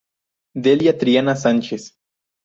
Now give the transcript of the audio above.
Delia Triana Sanchez